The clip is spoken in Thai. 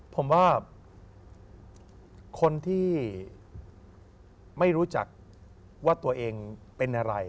ผมว่าคนที่ไม่รู้จักว่าตัวเองเป็นอะไร